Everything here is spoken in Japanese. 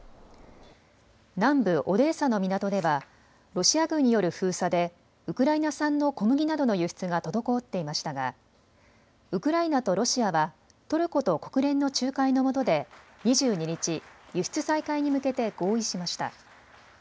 南部オデーサの港ではロシア軍による封鎖でウクライナ産の小麦などの輸出が滞っていましたがウクライナとロシアはトルコと国連の仲介のもとで２２日、輸出再開に向けて合意しました。